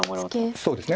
そうですね